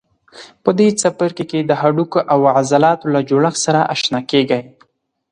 په دې څپرکي کې د هډوکو او عضلاتو له جوړښت سره آشنا کېږئ.